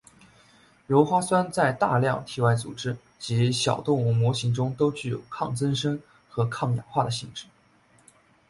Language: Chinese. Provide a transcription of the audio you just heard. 鞣花酸在大量体外组织及小动物模型中都具有抗增生和抗氧化的性质。